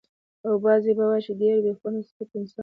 او بعضې به وايي چې ډېر بې خونده سپک انسان و.